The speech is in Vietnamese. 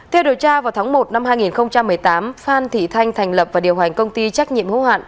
theo điều tra vào tháng một năm hai nghìn một mươi tám phan thị thanh thành lập và điều hành công ty trách nhiệm hữu hạn